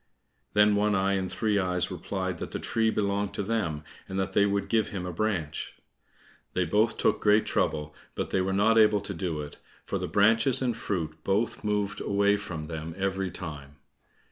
Then One eye and Three eyes replied that the tree belonged to them, and that they would give him a branch. They both took great trouble, but they were not able to do it, for the branches and fruit both moved away from them every time.